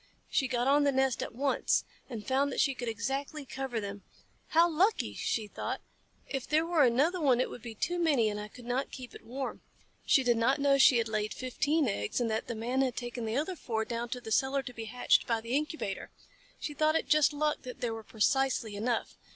She got on the nest at once, and found that she could exactly cover them. "How lucky!" she thought. "If there were another one it would be too many and I could not keep it warm." She did not know she had laid fifteen eggs, and that the Man had taken the other four down cellar to be hatched by the incubator. She thought it just luck that there were precisely enough.